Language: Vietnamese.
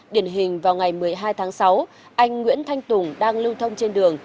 điển hình vào ngày một mươi hai tháng sáu anh nguyễn thanh tùng đang lưu thông trên đường